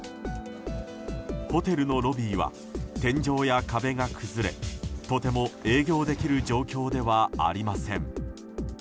ホテルのロビーは天井や壁が崩れとても営業できる状況ではありません。